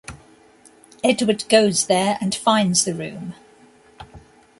Edward goes there and finds the room.